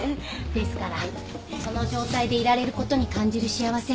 ですからその状態でいられることに感じる幸せ。